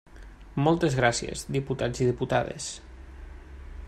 Moltes gràcies, diputats i diputades.